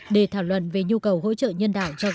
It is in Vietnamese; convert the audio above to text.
để thảo luận về nhu cầu hỗ trợ nhân đạo cho